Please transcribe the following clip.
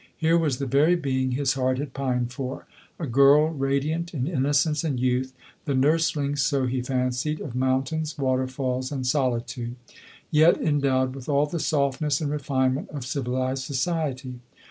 Here was the very being his heart had pined for— a girl radiant in innocence and youth, the nursling, so he fancied, of mountains, waterfalls, and soli tude ; yet endowed with all the softness and re finement of civilized society.